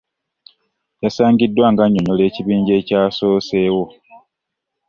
Yasangiddwa ng'annyonnyola ekibinja ekya soosewo